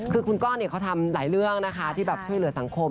คือคุณก้อนเขาทำหลายเรื่องนะคะที่แบบช่วยเหลือสังคม